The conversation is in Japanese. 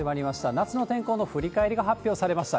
夏の天候の振り返りが発表されました。